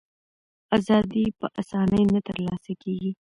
ازادي په آسانۍ نه ترلاسه کېږي.